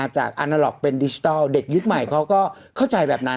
อาณาล็อกเป็นดิจิทัลเด็กยุคใหม่เขาก็เข้าใจแบบนั้น